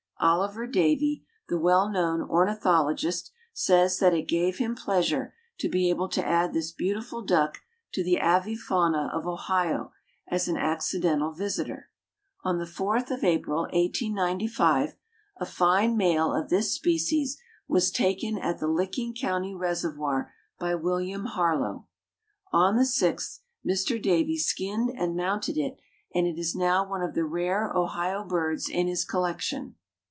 Oliver Davie, the well known ornithologist, says that it gave him pleasure to be able to add this beautiful duck to the avifauna of Ohio as an accidental visitor. On the 4th of April, 1895, a fine male of this species was taken at the Licking County reservoir by William Harlow. On the 6th Mr. Davie skinned and mounted it and it is now one of the rare Ohio birds in his collection.